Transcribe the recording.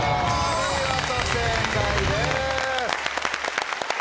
お見事正解です。